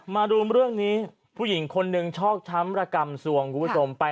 มาดูเรื่องนี้ผู้หญิงคนหนึ่งชอบช้ำระกรรมสวงคุณผู้ชม